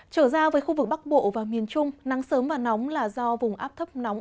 trở ra với khu vực bắc bộ và miền trung nắng sớm và nóng là do vùng áp thấp nóng